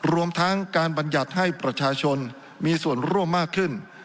รวมทั้งการบรรยัติให้ประชาชนมีส่วนร่วมมากขึ้น